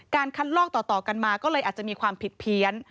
คัดลอกต่อกันมาก็เลยอาจจะมีความผิดเพี้ยน